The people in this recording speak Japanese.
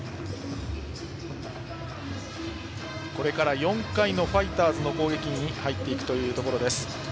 これから４回のファイターズの攻撃に入るところです。